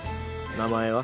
名前は？